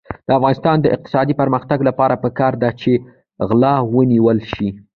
د افغانستان د اقتصادي پرمختګ لپاره پکار ده چې غلا ونیول شي.